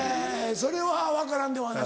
それは分からんではない。